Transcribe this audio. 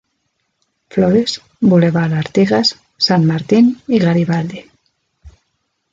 Flores, Bulevar Artigas, San Martín y Garibaldi.